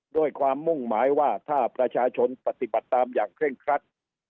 มุ่งหมายว่าถ้าประชาชนปฏิบัติตามอย่างเคร่งครัด